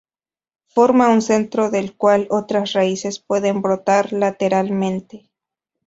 Forma un centro del cual otras raíces pueden brotar lateralmente.